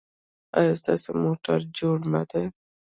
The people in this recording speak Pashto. ایا ستاسو موټر جوړ نه دی؟